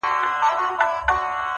• ځيني خلک ستاينه کوي..